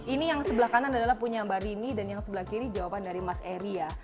ini yang sebelah kanan adalah punya mbak rini dan yang sebelah kiri jawaban dari mas eri ya